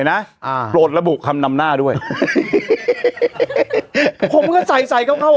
เห็นไหมอ่าโปรดระบุคำนำหน้าด้วยผมก็ใส่ใส่เข้าค่อยออก